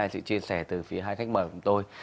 hai sự chia sẻ từ phía hai khách mở của tôi